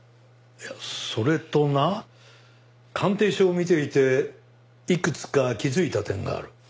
それとな鑑定書を見ていていくつか気づいた点がある。